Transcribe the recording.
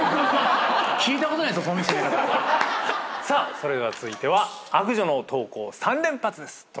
さあそれでは続いては悪女の投稿３連発です。